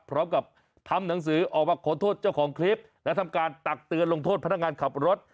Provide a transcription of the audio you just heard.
พร้อมกับทำหนังสือออกมาขอโทษเจ้าของคลิปและทำการตักเตือนลงโทษพนักงานขับรถ